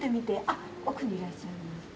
あっ奥にいらっしゃる。